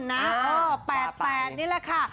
๘๘นี่แหละค่ะ